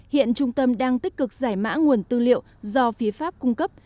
hiện trung tâm đang tích cực giải mã nguồn tư liệu do phía pháp cung cấp